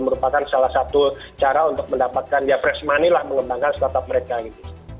merupakan salah satu cara untuk mendapatkan ya fresh money lah mengembangkan startup mereka gitu